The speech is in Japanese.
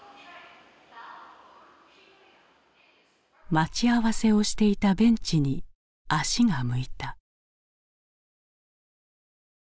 待ち合わせをしていたベンチに足が向いた。